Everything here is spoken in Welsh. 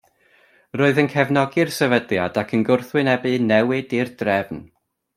Roedd yn cefnogi'r sefydliad ac yn gwrthwynebu newid i'r drefn.